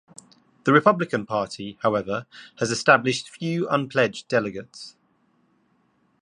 The Republican Party, however, has established few unpledged delegates.